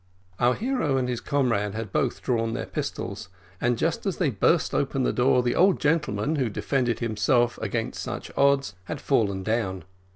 Our hero and his comrade had both drawn their pistols, and just as they burst open the door, the old gentleman who defended himself against such odds had fallen down.